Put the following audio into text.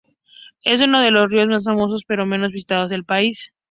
Es uno de los ríos más famosos pero menos visitados del país.